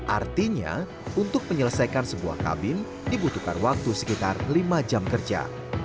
artinya untuk menyelesaikan sebuah kabin dibutuhkan waktu sekitar lima jam kerja